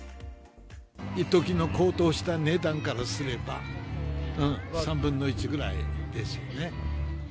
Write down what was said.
いっときの高騰した値段からすれば、３分の１くらいですよね。